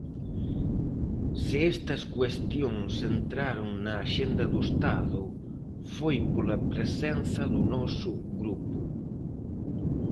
Se estas cuestións entraron na axenda do Estado, foi pola presenza do noso grupo.